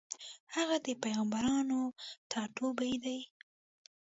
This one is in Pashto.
هغه د پېغمبرانو ټاټوبی دی.